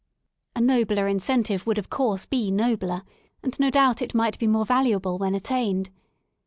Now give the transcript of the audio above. A nobler incentive would of course be nobler, and no doubt it might be more valuable when attained.